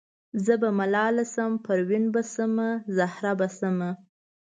زه به ملاله شم پروین به شم زهره به شمه